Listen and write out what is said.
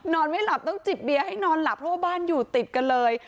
ไม่หลับต้องจิบเบียร์ให้นอนหลับเพราะว่าบ้านอยู่ติดกันเลย